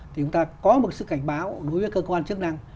thì chúng ta có một sự cảnh báo đối với cơ quan chức năng